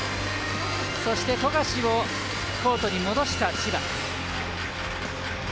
そして、富樫をコートに戻した千葉。